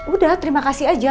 udah terima kasih aja